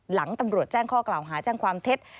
หลังตำรวจแจ้งข้อกล่าวหาแจ้งความเท็จ